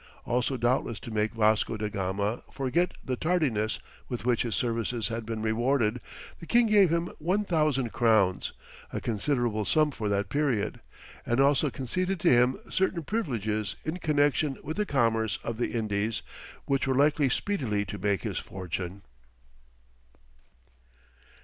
Also, doubtless to make Vasco da Gama forget the tardiness with which his services had been rewarded, the king gave him 1000 crowns, a considerable sum for that period, and also conceded to him certain privileges in connexion with the commerce of the Indies, which were likely speedily to make his fortune.